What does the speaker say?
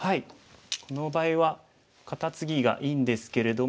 この場合はカタツギがいいんですけれども。